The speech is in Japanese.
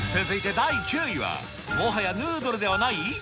続いて第９位は、もはやヌードルではない？